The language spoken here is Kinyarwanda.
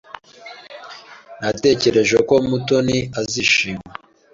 Natekereje ko Mutoni azishima.